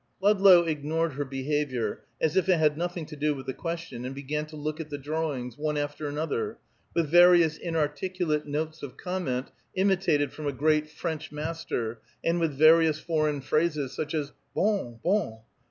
Ludlow ignored her behavior, as if it had nothing to do with the question, and began to look at the drawings, one after another, with various inarticulate notes of comment imitated from a great French master, and with various foreign phrases, such as "_Bon! Bon!